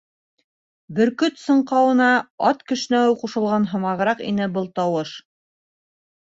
Бөр-көт саңҡыуына ат кешнәүе ҡушылған һымағыраҡ ине был тауыш.